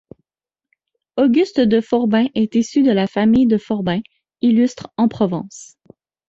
Auguste de Forbin est issu de la famille de Forbin, illustre en Provence.